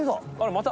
また。